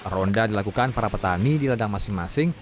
ronda dilakukan para petani di ladang masing masing